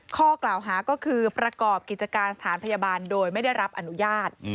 ข้อกล่าวหาก็คือประกอบกิจการสถานพยาบาลโดยไม่ได้รับอนุญาต